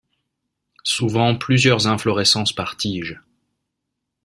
Souvent plusieurs inflorescences par tige.